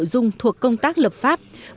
một mươi sáu nội dung thuộc công tác lập pháp